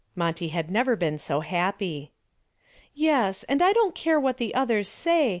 Monty had never been so happy. "Yes, and I don't care what the others say.